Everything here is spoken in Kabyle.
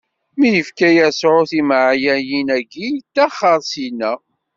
Mi yefka Yasuɛ timɛayin-agi, ittaxxeṛ syenna.